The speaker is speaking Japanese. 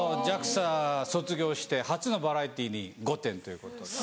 ＪＡＸＡ卒業して初のバラエティーに『御殿‼』ということで。